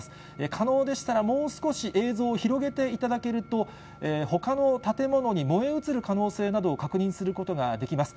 可能でしたら、もう少し映像を広げていただけると、ほかの建物に燃え移る可能性などを確認することができます。